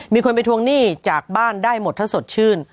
มีคนไปทวงหนี้จากบ้านได้หมดถ้าสดชื่น